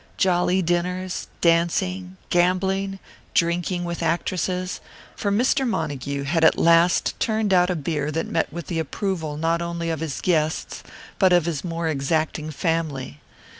Jolly dinners, dancing, gambling, drinking with actresses for Mr. Montague had at last turned out a beer that met with the approval not only of his guests but of his own more exacting family.